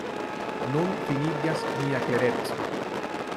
Nun finiĝas mia klereco.